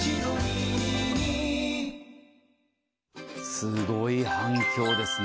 すごい反響ですね。